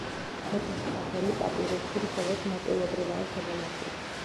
მეფის სახელი პაპირუსში მხოლოდ ნაწილობრივაა შემონახული.